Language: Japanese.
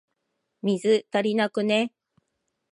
水、足りなくね？